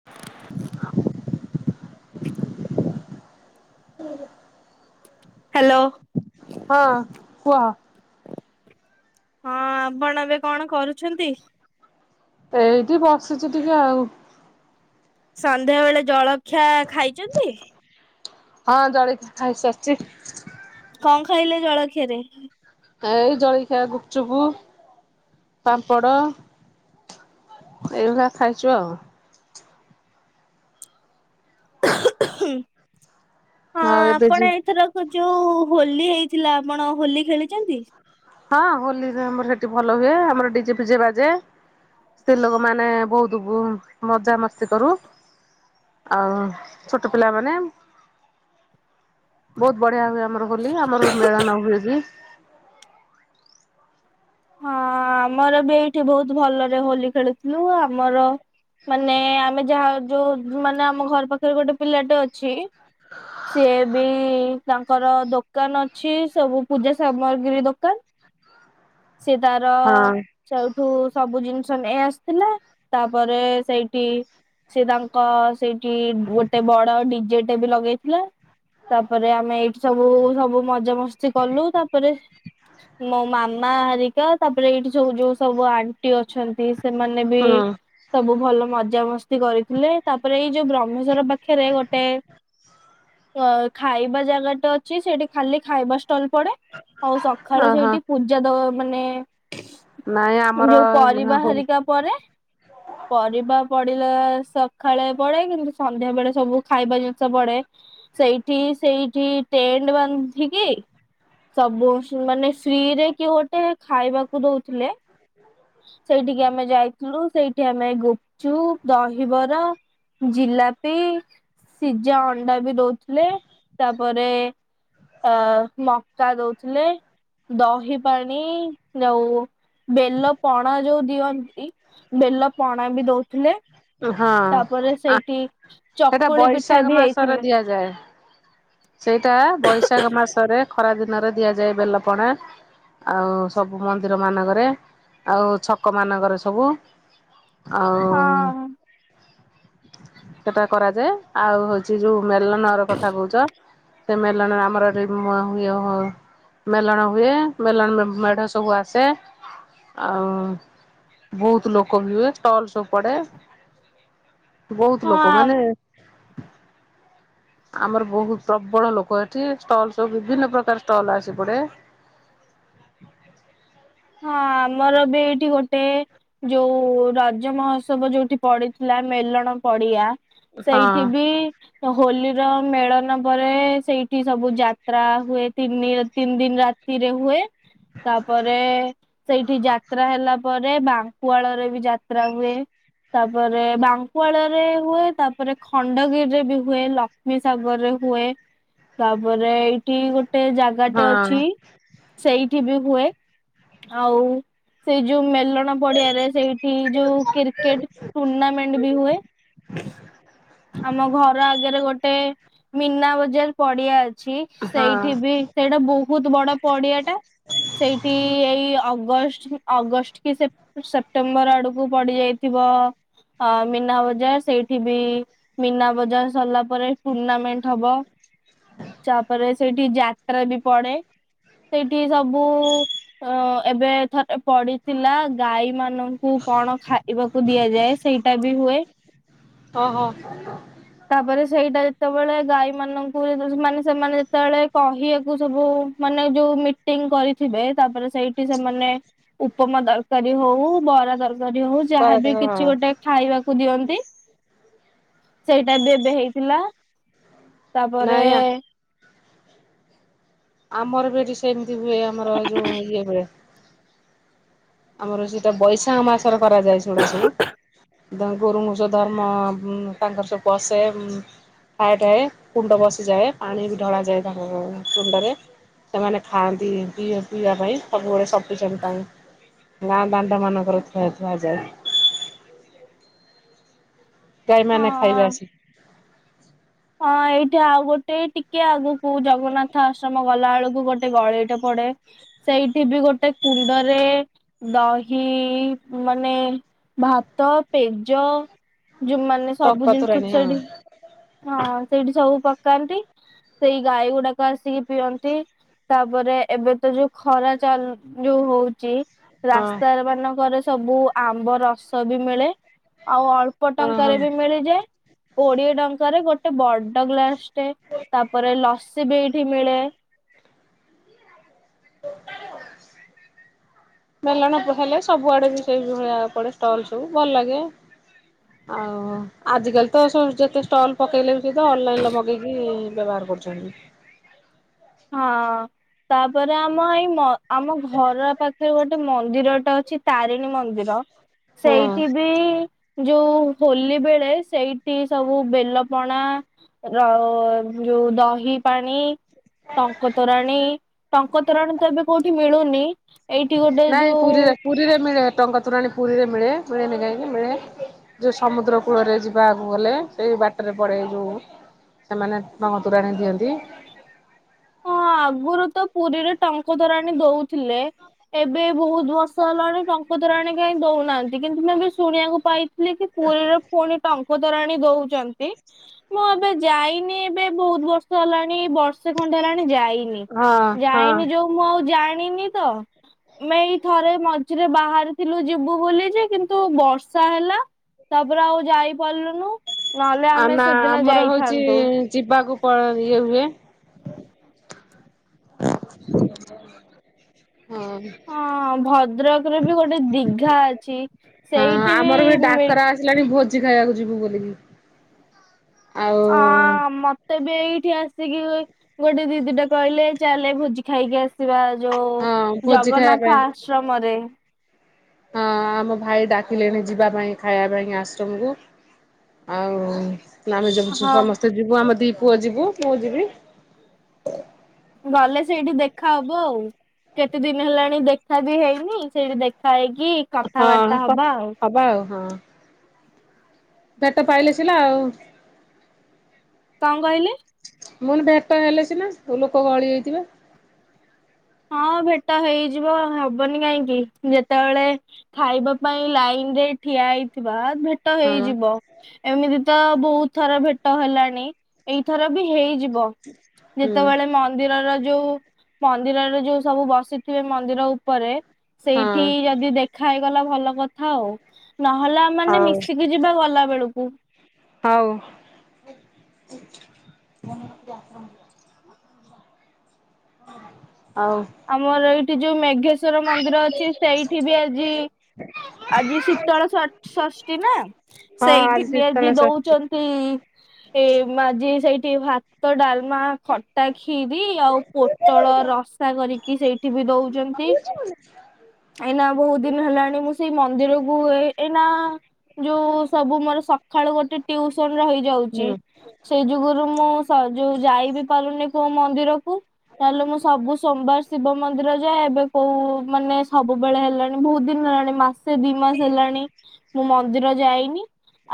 [inaudible] [unintelligible] Hello. ହଁ କୁହ। ହଁ ଆପଣ ଏବେ କଣ କରୁଛନ୍ତି? ଏଇଠି ବସିଚି ଟିକେ ଆଉ। ସନ୍ଧ୍ୟା ବେଳେ ଜଳଖିଆ ଖାଇଚନ୍ତି? ହଁ ଜଳଖିଆ ଖାଇସାରିଚି। କଣ ଖାଇଲେ ଜଳଖିଆରେ? ଏଇ ଜଳଖିଆ ଗୁପୁଚୁପୁ ପାମ୍ପଡ଼। ଏଇଭଳିଆ ଖାଇଚୁ ଆଉ। ହଁ ଆଉ ଏବେ ଯି ଆପଣ ଏଇଥରକ୍ ଯୋଉ ହୋଲି ହେଇଥିଲା ଆପଣ ହୋଲି ଖେଳିଚନ୍ତି? ହଁ ହୋଲିରେ ଆମର ଏଠି ଭଲ ହୁଏ ଆମର ଡିଜେ ଫିଜେ ବାଜେ। ସ୍ତ୍ରୀ ଲୋକମାନେ ବହୁତ୍ ବୁ ମଜାମସ୍ତି କରୁ। ଆଉ ଛୋଟ ପିଲା ମାନେ ବହୁତ୍ ବଢିଆ ହୁଏ ଆ ଆମର ହୋଲି ଆମର ମେଲଣହୁଏ ଯେ? ହଁ ଆମରବି ଏଇଠି ବହୁତ୍ ଭଲରେ ହୋଲି ଖେଳୁଥିଲୁ ଆମର ମାନେ ଆମେ ଯାହା ଯୋଉ ମାନେ ଆମ ଘର ପାଖରେ ଗୋଟେ ପିଲାଟେ ଅଛି। ସିଏବି ତାଙ୍କର ଦୋକାନ ଅଛି ସବୁ ପୂଜା ସାମଗ୍ରୀ ଦୋକାନ [inaudible] ସେ ତାର ହଁ ସେଉଠୁ ସବୁ ଜିନ୍ସ ନେଇ ଆସିଥିଲେ ତାପରେ ସେଇଟି ସେ ତାଙ୍କ ସେଇଠି ଗୋଟେ ବଡ ଡିଜେଟେ ବି ଲଗେଇ ଲେ ତାପରେ ଆମେ ଏଇଠି ସବୁ ସବୁ ମଜା ମସ୍ତି କଲୁ ତାପରେ ମୋ ମାମା ହେରିକା ତାପରେ ଏଇଠି ସବୁ ଯୋଉ ସବୁ ଆନ୍‌ ଟି ଅଛନ୍ତି ସେମାନେ ବି ହୁଁ ସବୁ ଭଲ ମଜା ମସ୍ତି କରିଥିଲେ ତାପରେ ଏଇ ଯୋଉ ବ୍ରହ୍ମେଶ୍ଵର ପାଖେରେ ଗୋଟେ ଅ ଖାଇବା ଜାଗା ଟା ଅଛି ସେଠି ଖାଲି ଖାଇବା ଷ୍ଟଲ୍ ପଡେ ଆଉ ସ ଖାଳେ ଓହୋ ସେଇଠି ପୂଜା ଦବା ମାନେ ନାଇଁ ଆମର ଯୋଉ ପରିବା ହୋଲି ହେରିକା ପରେ ପରିବା ପଡିଲା ସଖାଳେ ପଡେ କିନ୍ତୁ ସନ୍ଧ୍ୟା ବେଳେ ସବୁ ଖାଇବା ଜିନ୍ଷ ପଡେ। ସେଇଠି ସେଇଠି ଟେଣ୍ଡ ବାନ୍ଧିକି ସବୁ ମାନେ ଫ୍ରିରେ କିଏ ଗୋଟେ ଖାଇବାକୁ ଦଉଥୁଲେ ସେଇଠିକି ଆମେ ଯାଇଥିଲୁ ସେଇଠି ଆମେ ଗୁପ୍ ଚୁପ୍ ଦହିବରା ଜିଲାପି ସିଝା ଅଣ୍ଡା ବି ଦଉଥୁଲେ ତାପରେ ଅ ମକା ଦଉଥୁଲେ। ଦହି ପାଣି ଯାଉ ବେଲ ପଣା ଯୋଉ ଦିଅନ୍ତି ବେଲ ପଣା ବି ଦଉଥୁଲେ। ହଁ ଆ ସେଟା ଚକୁଳି ପିଠା ବୈଶାଖ ବି ମାସରେ ହେଇଥିଲେ ଦିଆଯାଏ। ସେଇଟା ବୈଶାଖ ମାସରେ ଖରା ଦିନରେ ଦିଆଯାଏ ବେଲପଣା। ଆଉ ସବୁ ମନ୍ଦିର ମାନଙ୍କରେ ଆଉ ଛକ ମାନଙ୍କରେ ସବୁ ଅଂ ହଁ। ସେଟା କରାଯାଏ ଆଉ ହଉଛି ଯୋଉ ମେଲନର କଥା କହୁଛ ସେ ମେଲନ ଆମର ଏଠି [unintelligible] ଇଏ ହଉ ମେଲଣ ହୁଏ ମେଲଣ ମେ ମେଢ ସବୁ ଆସେ। ଆଉ ବହୁତ୍ ଲୋକ ବି ହୁଏ ଷ୍ଟଲ୍ ସବ୍ ପଡେ। ବହୁତ୍ ଲୋକ ହଁ ମାନେ ଆମର ବହୁତ୍ ପ୍ରବଳ ଲୋକ ଏଠି ଷ୍ଟଲ୍ ସବୁ ବିଭିନ୍ନ ପ୍ରକାର ଷ୍ଟଲ୍ ଆସି ପଡେ। ହଁ ଆମର ବି ଏଇଠି ଗୋଟେ ଯୋଉ ରଜ ମହୋତ୍ସବ ଯୋଉଠି ପଡିଥିଲା ମେଲଣ ପଡିଆ ହଁ ସେଇଠି ବି ହୋଲିର ମେଳଣ ପରେ ସେଇଠି ସବୁ ଯାତ୍ରା ହୁଏ ତିନି ତିନ୍ ଦିନ୍ ରା ତିରେ ହୁଏ ତାପରେ ସେଇଠି ଯାତ୍ରା ହେଲା ପରେ ବାଙ୍କୁଆଳରେ ବି ଯାତ୍ରା ହୁଏ। ତାପରେ ବାଙ୍କୁଆଳରେ ହୁଏ ତାପରେ ଖଣ୍ଡଗିରିରେ ବି ହୁଏ ଲ କ୍ଷ୍ମୀ ସାଗରେ ହୁଏ ତାପରେ ଏଇଠି ଗୁ ଟେ ଜାଗାଟେ ଅଛି ହଁ ସେଇଠି ବି ହୁଏ। ଆଉ ସେଇ ଯୋଉ ମେଲ୍ ଣ ପଡିଆରେ ସେଇଠି ଯୋଉ କିର୍କେଟ ଟୁର୍ଣ୍ଣାମେଣ୍ଟ ବି ହୁଏ। ଆମ ଘର ଆଗରେ ଗୋଟେ ମୀନା ବଜାର୍ ପଡିଆ ଅଛି ହଁ। ସେଇଠି ବି ସେଇଟା ବହୁତ୍ ବଡ ପଡିଆଟା ସେଇଠି ଏଇ ଅଗଷ୍ଟ ଅଗଷ୍ଟ କି ସେପ୍ ସେପ୍ଟେମ୍ବର ଆଡକୁ ପଡି ଯାଇଥିବ ଅ ମିନା ବଜାର୍ ସେଇଠି ବି ମିନା ବଜାର ସର୍ଲା ପରେ ଟୁର୍ଣ୍ଣାମେଣ୍ଟ ହବ ଚାପରେ ସେଇଠି ଯାତ୍ରା ବି ପଡେ। ସେଇଠି ସବୁ ଅ ଏବେ ଥରେ ପଡିଥିଲା ଗାଈ ମାନ କୁ କଣ ଖାଇବାକୁ ଦିଆଯାଏ ସେଇଟା ବି ହୁଏ। ଅ ହଁ। ତାପରେ ସେଇଟା ଯେତେବେଳେ ଗାଈ ମାନଙ୍କୁ ମାନେ ସେମାନେ ଯେତେବେଳେ କହିବାକୁ ସବୁ ମାନେ ଯୋଉ ମିଟିଂ କରିଥିବେ ତାପରେ ସେଇଠି ସେମାନେ ଉପମା ତରକାରୀ ହଉ ବରା ତରକାରୀ ହଉ ବରାଦ ଯାହାବ କିଛି ହଁ ଗୋଟେ ଖାଇବାକୁ ଦିଅନ୍ତି। ସେଇଟା ବି ଏବେ ହେଇଥିଲା ତାପରେ ନାଇଁ ଆମର ବି ଏଠି ସେମିତି ହୁଏ ଆମର ଯୋଉ ଇଏ ହୁଏ। ଆମର ସେଇଟା ବୈଶାଖ ମାସରେ କରାଯାଏ ସେଉଡା ସବୁ ତାଙ୍କ ଗୁରୁମୁସ ଧର୍ମ ତାଙ୍କର ସବୁ ବସେ। ଠାଏ ଠାଏ କୁଣ୍ଡ ବସିଯାଏ ପାଣି ବି ଢଳାଯାଏ ତାଙ୍କ କଣ୍ଡରେ। ସେମାନେ ଖାଆନ୍ତି ପିଇବା ପାଇଁ ସବୁବେଳେ ସଫିସେଣ୍ଟ ପାଇଁ ଗାଁ ଦାଣ୍ଡ ମାନଙ୍କରେ ଥୁଆ ଥୁଆ ଯାଏ। ହଁ ଗାଈମାନେ ଖାଇବେ ଆସି। ହଁ ଏଇଠି ଆଉ ଗୋଟେ ଟିକେ ଆଗକୁ ଜଗନ୍ନାଥ ଆଶ୍ରମ ଗଲା ବେଳକୁ ଗୋଟେ ଗୋଟେ ଗଳିଇଟେ ପଡେ ସେଇଠି ବି ଗୋଟେ କୁଣ୍ଡରେ ଦହି ମାନେ ଭାତ ପେଜ ଯୋଉମାନେ ସବୁ ଟଙ୍କ ଜିନିଷ ତୋରାଣି ହଁ ସେଇଠି ହଁ ସେଇଠି ସବୁ ପକାନ୍ତି ସେଇ ଗାଈ ଗୁଡାକ ଆସି ପିଅନ୍ତି। ତାପରେ ଏବେ ତ ଯୋଉ ଖରା ଚାଲ ଯୋଉ ହଉଚି ହଁ ରାସ୍ତାର ମାନଙ୍କରେ ସବୁ ଆମ୍ବ ରସ ବି ମିଳେ ଆଉ ଅଳ୍ପ ଅଳ୍ପ ହଁ ହଁ ଟଙ୍କାରେ ବି ମିଳିଯାଏ କୋଡିଏ ଟଙ୍କା ରେ ଗୋଟେ ବଡ ଗ୍ଲାସଟେ ତାପରେ ଲସି ବି ଏଇଠି ମିଳେ। ଟୋଟାଳେ ଆସିନେହିଁ। ମେଲଣ ବି ହେଲେ ସବୁଆଡେ ବି ସେଇ ଭଳିଆ ପଡେ ଷ୍ଟଲ ସବୁ ଭଲ ଲାଗେ। [unintelligible] ଆଉ ଆଜିକାଲି ତ ସବୁ ଯେତେ ଷ୍ଟଲ୍ ପକେଇଲେ ବି ସେ ତ ଅନଲାଇନ ରେ ମଗେଇ ପକେଇକି ବ୍ୟବହାର କରୁଚନ୍ତି। ହଁ ତାପରେ ଆମ ଏଇ ଆମ ଘର ପାଖରେ ଗୋ ଗୋଟେ ମନ୍ଦିରଟେ ଅଛି ତାରିଣୀ ମନ୍ଦିର ହଁ ସେଇଠି ବି ଯୋଉ ହୋଲି ବେଳେ ସେଇଠି ସବୁ ବେଲ ପଣା ର ଯୋଉ ଦହି ପାଣି ଟଙ୍କତୋରାଣୀ ଟଙ୍କ ତରଣମ୍। ତ ଏବେ କୋଉଠି ମିଳୁନି ଏଇଠି ଗୋଟେ ନାଇଁ ଯୋଉ ପୁରୀରେ ପୁରୀରେ ମିଳେ ଟଙ୍କା ତୋରଣୀ ପୁରୀରେ ମିଳେ ମିଳେନି କାହିଁକି ମିଳେ ଯଉ ସମୁଦ୍ର କୂଳରେ ଯିବା ଆଗକୁ ଗଲେ ସେଇ ବାଟରେ ପଡେ ଏ ଯୋଉ ସେମାନେ ଟଙ୍କ ଦୁରାଣି ଦିଅନ୍ତି। ହଁ ଆଗରୁ ତ ପୁରୀରେ ଟଙ୍କ ତରାଣି ଦଉଥିଲେ ଏବେ ବହୁତ ବର୍ଷ ହେଲାଣିେ ଟଙ୍କ ତୋରାଣି କାହିଁ ଦଉନାହାନ୍ତି କିନ୍ତୁ ମୁଁ ଏବେ ଶୁଣିବାକୁ ପାଇ କି ପୁରୀର ପୁଣି ଟଙ୍କ ଟଙ୍କ ତୋରାଣୀ ଦଉଚନ୍ତି ମୁଁ ଏବେ ଯାଇନି ଏବେ ବହୁତ ବର୍ଷ ହେଲାଣି ବର୍ଷେ ଖଣ୍ଡ ହେଲାଣି ଯାଇନି ହଁ ହଁ। ଯାଇନି ଯୋଉ ମୁଁ ଆଉ ଜାଣିନି ତ ମେ ଏଇ ଥରେ ମଝିରେ ବାହାରିଥିଲୁ ଯିବୁ ବୋଲି ଯେ କିନ୍ତୁ ବର୍ଷା ହେଲା ତାପରେ ଆଉ ଯାଇ ପାରିଲୁନୁ ନହେଲେ ଆଉ ଆମେ ନା ସେଦିନ ଆମର ହଉଛି ଯାଇଥାନ୍ତୁ। ଯିବାକୁ ପ ଇଏ ହୁଏ। ହଁ। ହଁ ଭଦ୍ରକରେ ବି ଗୋଟେ ଦିଘା ଅଛି ହଁ ସେଇଠି ବି ଆମର [inaudible] ଭୋଜି ଖାଇବାକୁ ଯିବୁ ବୋଲିକି। ଆଉ ଆଁ ମ ତେବେ ଏଇଠି ଆସିକି ଗୋଟେ ଦିଦିଟା କହିଲେ ଚାଲେ ଭୋଜି ଖାଇକି ଆସିବା। ବା ଯୋଉ ହଁ ଭୋଜି ଖାଇବା ପାଇଁ ଜଗନ୍ନାଥ ଆଶ୍ରମରେ ହଁ ଆମ ଭାଇ ଡାକିଲେଣି ଯିବା ପାଇଁ ଖାଇବା ପାଇଁ ଆଶ୍ରମକୁ। ଆଉ ଆମେ ଯାଉଛୁ ହଁ ସମସ୍ତେ ଯିବୁ ଆମ ଦି ପୁଅ ଯିବୁ ମୁଁ ଯିବି। ଗଲେ ସେଇଠି ଦେଖା ହବ ଆଉ। କେତେ ଦିନ ହେଲାଣି ଦେଖା ବି ହେଇନି ସେଇଠି ଦେଖା ହେଇକି କଥାବାର୍ତ୍ତା ହଁ ହବା ଆଉ। ହବା ଆଉ ହଁ ବାଟ ପାଇଲେ ଥିଲା ଆଉ କଣ କହିଲେ? ମୁଁ କହିଲି ଭେଟ ହେଲେ ସିନା ତ ଲୋକ ଗହଳି ହୋଇଥିବେ। ହଁ ଭେଟ ହେଇଯିବ ହବନି କାହିଁକି ଯେତେବେଳେ ଖାଇବା ପାଇଁ ଲାଇନରେ ଠିଆ ହେଇଥିବା ଭେ ଭେଟ ହଁ ହେଇଯିବ ଏମିତି ତ ବହୁତ ଥର ଭେଟ ହେଲାଣି ଏଇଥର ବି ହେଇଯିବ। ବ ହୁଁ ଯେତେବେଳେ ମନ୍ଦିରର ଯୋଉ ମନ୍ଦିରରେ ଯୋଉ ସବୁ ବସିଥିବେ ମନ୍ଦିର ଉପରେ ହଁ ସେଇଠି ଯଦି ଦେଖାହେଇଗଲା ଭଲ କଥା ଆଉ ନହେଲେ ମାନେ ହଉ ହଉ ମିଶିକି ଯିବା ଗଲା ବେଳକୁ। ହଉ। ଆଉ ଆମର ଏଇଠି ଯୋଉ ମେଘେଶ୍ଵର ମନ୍ଦିର ଅଛି ସେଇଠି ବି ଆଜି ଆଜି ଶୀତଳ ଶ ଷଷ୍ଠୀ ନା ଆଜି ସେଇଠି ବି ଶୀତଳ ଆଜି ଷଷ୍ଠୀ ଦଉଛନ୍ତି ଏ ମୁଁ ଆଜିି ସେଇଠି ଭାତ ଡାଲ ମା ଖଟା ଖିୀରି ଆଉ ପୋଟଳ ରସା କରିକି ସେଇଠି ବି ଦଉଛନ ବୁଝିପାରୁନୁ ଝିଅ। ଏଇନା ବହୁତ ଦିନ ହେଲାଣି ମୁଁ ସେଇ ମନ୍ଦିରକୁ ଏଇନା ଯୋଉ ସବୁ ମୋର ସକାଳୁ ଗୋଟେ ଟ୍ୟୁସନ ରହିଯାଉଛି। ହୁଁ। ସେଇ ଯୁଗରୁ ମୁଁ ଯୋଉ ଯାଇ ବିି ପାରୁନି କୋଉ ମନ୍ଦିରକୁ ନହେଲେ ମୁଁ ସବୁ ସୋମବାର ଶିବ ମନ୍ଦିର ଯାଏ ଏବେ କୋଉ ମାନେ ସବୁବେଳେ ହେଲାଣି ବହୁତ ଦିନ ହେଲାଣି ମାସ ସେ ଦି ମାସ ହେଲାଣି ମୁଁ ମନ୍ଦିର ଯାଇନି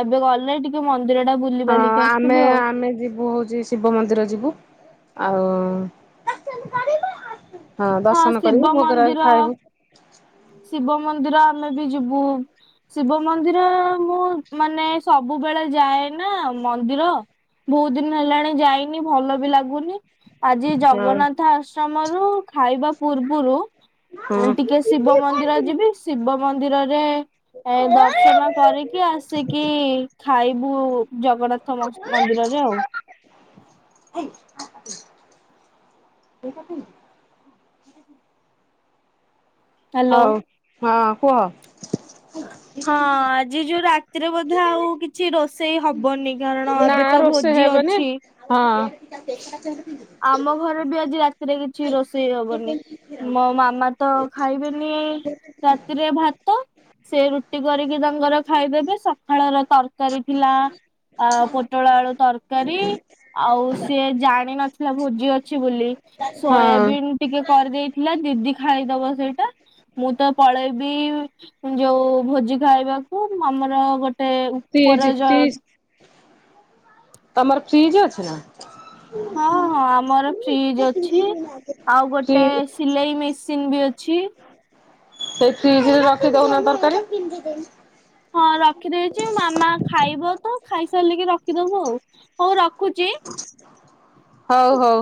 ଏବେ ଗଲେ ଟିକେ ମନ୍ଦିରଟା ହଁ ବୁଲିିବାଲିକି ଆମେ ଆସିବି ଆଉ ଆମେ ଯିବୁ ହଉଛି ଶିବ ମନ୍ଦିର ଯିବୁ ଆଉ ହଁ ଦର୍ଶନ କରିବୁ ଶିବ ଭୋଗରାଗ ମନ୍ଦିର ଖାଇବୁ ଶିବ ମନ୍ଦିର ଆମେ ବି ଯିବୁ ଶିବ ମନ୍ଦିର ମୁଁ ମାନେ ସବୁବେଳେ ଯାଏ ନା ମନ୍ଦିର? ବହୁତ ଦିନ ହେଲାଣି ଯାଇନି ଭଲ ବି ଲାଗୁନି। ଆଜି ହଁ ଜଗନ୍ନାଥ ଆଶ୍ରମରୁ ଖାଇବା ପୂର୍ବରୁ ଟିକେ ଶିବ ମନ୍ଦିର ହଁ। ଯିବି ଶିବ ମନ୍ଦିରରେ ଏ ଦର୍ଶନ କରିକି ଆସିକି ଖାଇବୁ ଜଗନ୍ନାଥ ମ ମନ୍ଦିରରେ ଆଉ ହେଇ [unintelligible] ହ୍ୟାଲୋ। ହଉ ହଁ କୁହ? ହଁ ଆଜି ଯୋଉ ରାତିରେ ବୋଧେ ଆଉ କିଛି ରୋଷେଇ ହବନି କାରଣ ନା ଏବେ ତ ରୋଷେଇ ଭୋଜି ହେବନି। ଅଛି। ହଁ। ଆମ ଘରେ ବି ଆଜି ରାତିରେ କିଛି ରୋଷେଇ ହବନି ମୋ ମାମା ତ ଖାଇବେନି ରାତିରେ ଭାତ। ସେ ରୁଟି କରିକି ତାଙ୍କର ଖାଇଦେବେ ସକାଳର ତରକାରୀ ଥିଲା ଆ ପୋଟଳ ଆଳୁ ତରକାରୀ ଆଉ ସ୍ ସିଏ ଜାଣିନଥିଲା ଭୋଜି ଅଛି ବୋଲି ହଁ ସୋୟାବିନ୍ ଟିକେ କରିଦେଇଥିଲା ଦିଦି ଖାଇଦବ ସେଇଟା, ମୁଁ ତ ପଳେଇବି ଯୋଉ ଭୋଜି ଖାଇବାକୁ ଆମର ଗୋଟେ ଫ୍ରିଜ ଉପର ଯ ଫ୍ରିଜ ତମର ଫ୍ରିଜ ଅଛି ନା? ହଁ-ହଁ ଆମର ଫ୍ରିଜ୍ ଅଛି। ଆଉ ଫ୍ରି ଗୋଟେ ସିଲେଇ ମେସିନ୍ ବି ଅଛି। ସେଇ ଫ୍ରିଜରେ ରଖିଦଉନ ତରକାରୀ? ହଁ ରଖିଦେଇଛି ମାମା ଖାଇବ ତ ଖାଇସାରିଲିକି ରଖିଦବ ଆଉ। ହଉ ରଖୁଛି। ହଉ ହଉ।